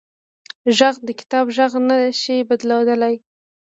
غږ د کتاب غږ نه شي بدلېدلی